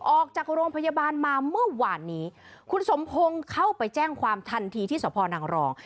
ออกจากโรงพยาบาลมาเมื่อวานนี้คุณสมพงศ์เข้าไปแจ้งความทันทีที่สพนังรอง